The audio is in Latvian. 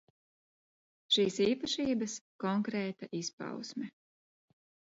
Šīs īpašības konkrēta izpausme.